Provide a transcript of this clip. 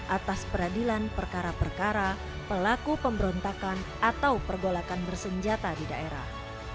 atas peradilan perkara perkara pelaku pemberontakan atau pergolakan bersenjata di daerah